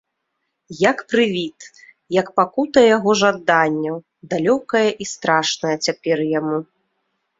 Як прывід, як пакута яго жаданняў, далёкая і страшная цяпер яму.